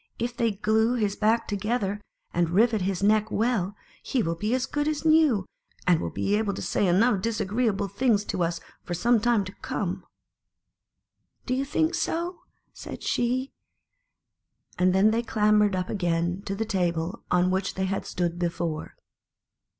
If they glue his back together, and rivet his neck well, he will be tjp (Pju as good as new, and will be able to say enough disagreeable things to us for some time to come." "Do you think so?" said she; and then they clambered up again to the table on which they had stood before.